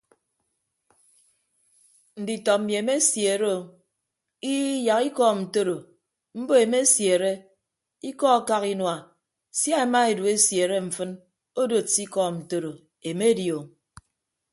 Nditọ mmi emesiere o ii yak ikọọm ntoro mbo emesiere ikọ akak inua sia ema edu esiere mfịn odod se ikọọm ntoro emedi o.